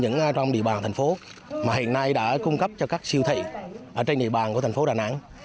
những trong địa bàn thành phố mà hiện nay đã cung cấp cho các siêu thị ở trên địa bàn của thành phố đà nẵng